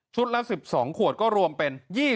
ชุดละ๑๒ขวดก็รวมเป็น